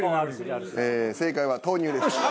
正解は豆乳です。